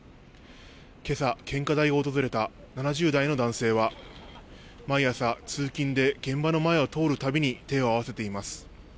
けさ、献花台を訪れた７０代の男性は、毎朝、通勤で現場の前を通るたびに手を合わせています。